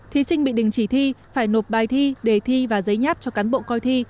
thí sinh bị đình chỉ thi phải nộp bài thi đề thi và giấy nháp cho cán bộ coi thi